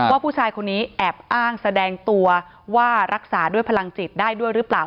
ว่าผู้ชายคนนี้แอบอ้างแสดงตัวว่ารักษาด้วยพลังจิตได้ด้วยหรือเปล่า